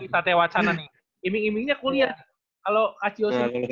satya wacana nih iming imingnya kuliah kalau cio sih